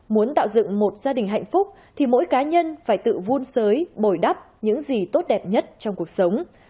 muốn tạo dựng một gia đình hạnh phúc thì mỗi cá nhân phải tự vun sới bồi đắp những gì tốt đẹp nhất trong cuộc sống